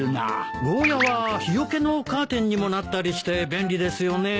ゴーヤは日よけのカーテンにもなったりして便利ですよねえ。